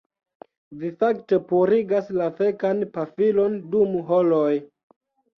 Vi fakte purigas la fekan pafilon dum horoj